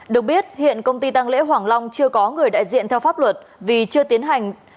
được biết hiện công ty tăng lễ hoàng long chưa có người đại diện theo pháp luật vì chưa tiến hành